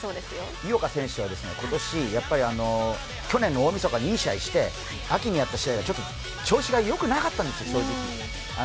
井岡選手は去年の大みそか、いい試合をして秋にやった試合はちょっと調子が良くなかったんです。